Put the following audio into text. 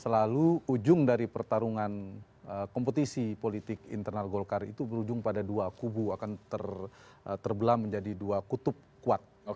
selalu ujung dari pertarungan kompetisi politik internal golkar itu berujung pada dua kubu akan terbelah menjadi dua kutub kuat